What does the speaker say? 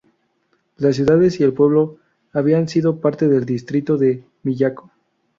Las ciudades y el pueblo habían sido parte del distrito de Miyako.